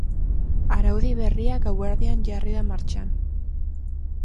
Araudi berria gauerdian jarri da martxan.